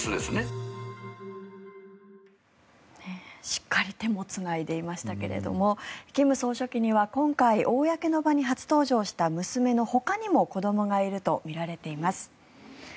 しっかり手もつないでいましたけれども金総書記には今回公の場に初登場した娘のほかにも子どもがいるとみられています。